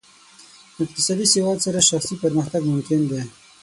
اقتصادي سواد سره شخصي پرمختګ ممکن دی.